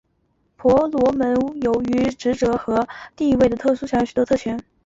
婆罗门由于职责和地位的特殊可享有许多特权。